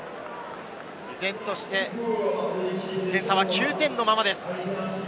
依然として点差は９点のままです。